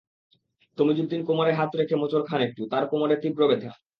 তমিজুদ্দিন কোমরে হাত রেখে মোচড় খান একটু, তাঁর কোমরে তীব্র ব্যথা।